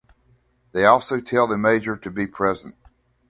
They also tell the major to be present.